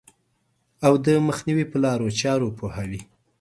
او د مخنیوي په لارو چارو پوهوي.